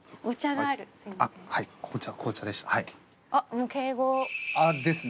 もう敬語。ですね。